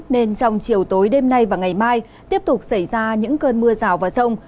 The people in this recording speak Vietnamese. nên trong chiều tối đêm nay và ngày mai tiếp tục xảy ra những cơn mưa rào và rông